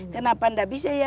kenapa tidak bisa ya